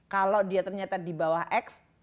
kalau dia ternyata di bawah x oh saya punya